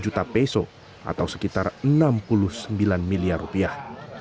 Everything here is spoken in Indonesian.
satu ratus lima puluh juta peso atau sekitar enam puluh sembilan miliar rupiah